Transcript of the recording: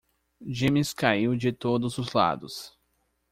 Dimes caiu de todos os lados.